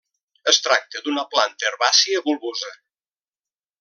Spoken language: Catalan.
Es tracta d'una planta herbàcia i bulbosa.